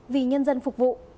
vì nhân dân phục vụ